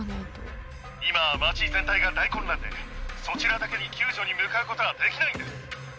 今は街全体が大混乱で、そちらだけに救助に向かうことはできないんです。